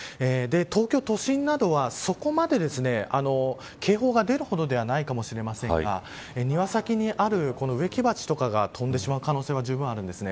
東京都心などは、そこまで警報が出るほどではないかもしれませんが庭先にある植木鉢とかが飛んでしまう可能性はじゅうぶんあります。